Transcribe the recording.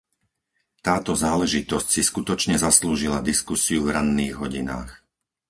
Táto záležitosť si skutočne zaslúžila diskusiu v ranných hodinách.